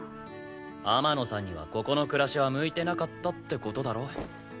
天野さんにはここの暮らしは向いてなかったって事だろ？